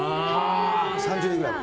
３０年ぐらい前。